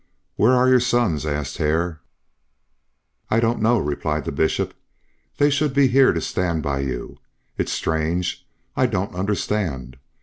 "Where are your sons?" asked Hare. "I don't know," replied the Bishop. "They should be here to stand by you. It's strange. I don't understand.